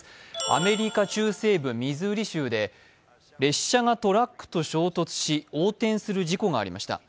アメリカ中西部ミズーリ州で、列車がトラックと衝突し、横転する事故がありました。